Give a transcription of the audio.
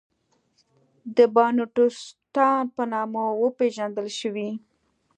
د بانټوستان په نامه وپېژندل شوې.